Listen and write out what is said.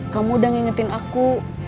kamu udah ngingetin aku